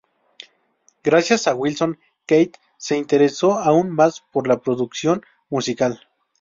Gracias a Wilson, Keith se interesó aún más por la producción musical.